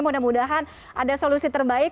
mudah mudahan ada solusi terbaik